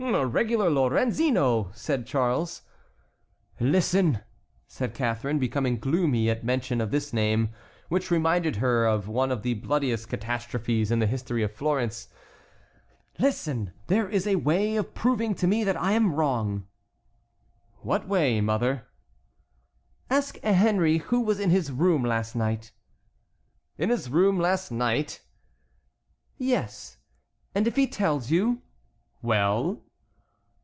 "A regular Lorenzino!" said Charles. "Listen," said Catharine, becoming gloomy at mention of this name, which reminded her of one of the bloodiest catastrophes in the history of Florence. "Listen; there is a way of proving to me that I am wrong." "What way, mother?" "Ask Henry who was in his room last night." "In his room last night?" "Yes; and if he tells you"— "Well?"